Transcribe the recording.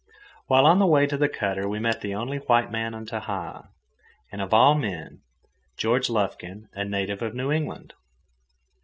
While on the way to the cutter we met the only white man on Tahaa, and of all men, George Lufkin, a native of New England!